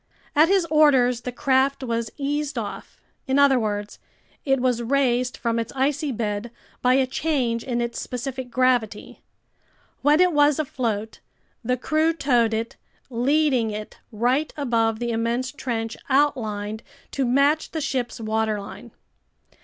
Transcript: At his orders the craft was eased off, in other words, it was raised from its icy bed by a change in its specific gravity. When it was afloat, the crew towed it, leading it right above the immense trench outlined to match the ship's waterline.